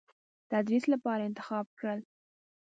تدریس لپاره انتخاب کړل.